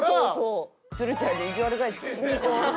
つるちゃんにいじわる返し聞きに行こう。